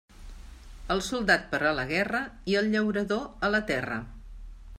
El soldat per a la guerra, i el llaurador a la terra.